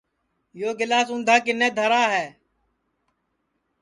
یو گَِلاس اُندھا کِنے دھرا ہے